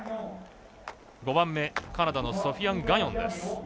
５番目カナダのソフィアン・ガニョン。